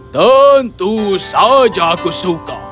tentu saja aku suka